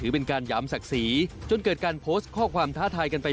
โปรดติดตามต่อไป